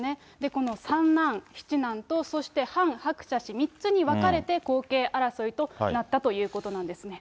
この三男、七男とそして、ハン・ハクチャ氏、３つに分かれて、後継争いとなったということなんですね。